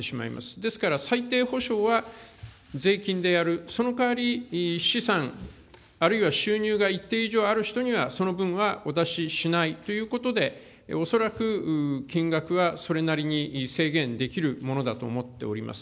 ですから最低保障は、税金でやる、その代わり、資産、あるいは収入が一定以上ある人には、その分はお出ししないということで、恐らく、金額はそれなりに制限できるものだと思っております。